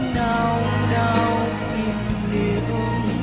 nào nào yên đều